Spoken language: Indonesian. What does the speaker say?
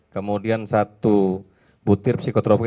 kemudian satu butir psikotrofe